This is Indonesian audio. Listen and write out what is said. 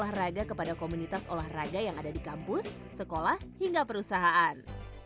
dan membuat olahraga kepada komunitas olahraga yang ada di kampus sekolah hingga perusahaan